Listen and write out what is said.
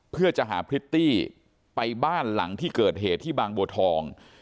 เพื่อจะหาพริตตี้ไปบ้านหลังที่เกิดเหตุที่บางบัวทอง